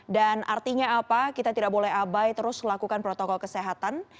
dan artinya apa kita tidak boleh abai terus lakukan protokol kesehatan